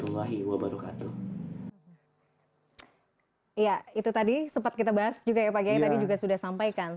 juga ya pak gaya tadi juga sudah sampaikan